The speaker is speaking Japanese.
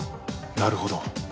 なるほど。